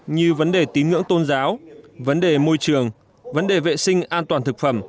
như vấn đề tín ngưỡng tôn giáo vấn đề môi trường vấn đề vệ sinh an toàn thực phẩm